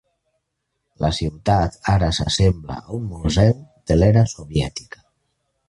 La ciutat ara s'assembla a un museu de l'era soviètica.